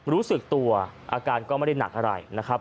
รู้สึกตัวอาการก็ไม่ได้หนักอะไรนะครับ